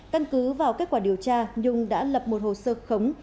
căn cứ vào kết quả điều tra nhung đã lập một hồ sơ khống